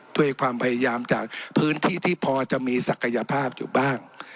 ด้วยความพยายามจากพื้นที่ที่พอจะมีศักยภาพอยู่บ้าง